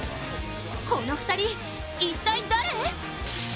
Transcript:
この２人、一体誰！？